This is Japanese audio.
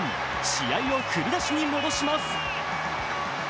試合を振り出しに戻します。